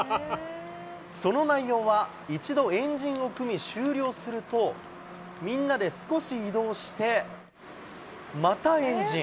その内容は、一度円陣を組み終了すると、みんなで少し移動して、また円陣。